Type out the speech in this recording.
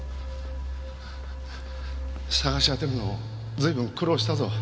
捜し当てるの随分苦労したぞ。